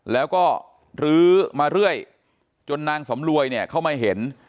แล้วก็ลื้อมาเรื่อยจนนางสำรวยเนี่ยเข้ามาเห็น